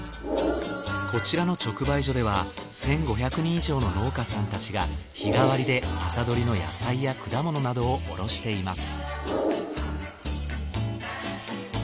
こちらの直売所では１，５００人以上の農家さんたちが日替わりで朝採りの野菜や果物などを卸しています。